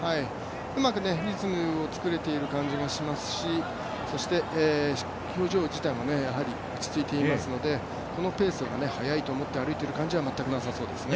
うまくリズムをつくれている感じがしますし、そして表情自体も落ち着いていますのでこのペースが早いと思って歩いている感じは全くなさそうですね。